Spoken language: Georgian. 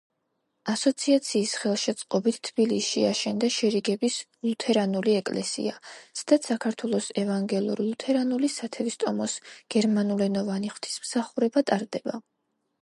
ასოციაციის ხელშეწყობით თბილისში აშენდა შერიგების ლუთერანული ეკლესია, სადაც საქართველოს ევანგელურ-ლუთერანული სათვისტომოს გერმანულენოვანი ღვთისმსახურება ტარდება.